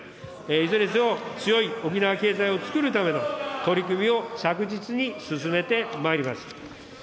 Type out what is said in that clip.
いずれにせよ、強い沖縄経済をつくるための取組を着実に進めてまいります。